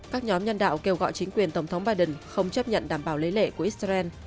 các nhóm nhân đạo kêu gọi chính quyền tổng thống biden không chấp nhận đảm bảo lấy lệ của israel